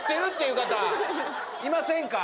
いませんか？